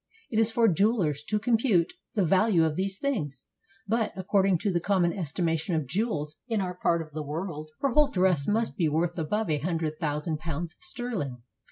It is for jewelers to compute the value of these things; but, according to the com mon estimation of jewels in our part of the world, her whole dress must be worth above a hundred thousand pounds sterling.